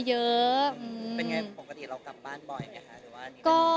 เป็นไงปกติเรากลับบ้านบ่อยไหมค่ะ